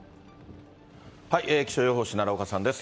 気象予報士、奈良岡さんです。